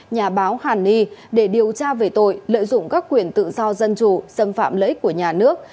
nhà báo hàn ni để điều tra về tội lợi dụng các quyền tự do dân chủ xâm phạm lợi ích của nhà nước